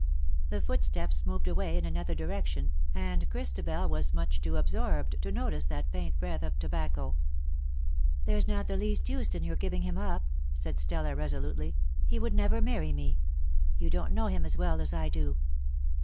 The footsteps moved away in another direction, and Christabel was much too absorbed to notice that faint breath of tobacco. " There's not the least use in your giving him up,'' said Stella, resolutely :" he would never marry me. You don't know him as well as I do."